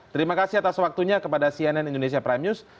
terima kasih atas waktunya kepada cnn indonesia prime news